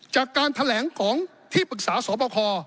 จากการแถลงของที่ปรึกษาสอบคอ